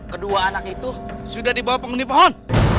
kedua anak itu sudah dibawa penghuni pohon